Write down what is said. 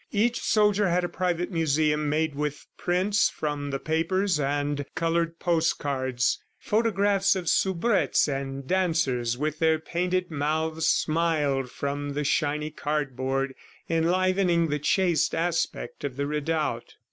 Each soldier had a private museum made with prints from the papers and colored postcards. Photographs of soubrettes and dancers with their painted mouths smiled from the shiny cardboard, enlivening the chaste aspect of the redoubt.